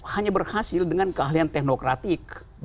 hanya berhasil dengan keahlian teknokratik